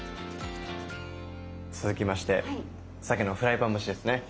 続きましてさけのフライパン蒸しですね。